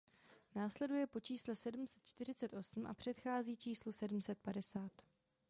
Následuje po čísle sedm set čtyřicet osm a předchází číslu sedm set padesát.